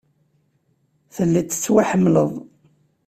Telliḍ tettwaḥemmleḍ.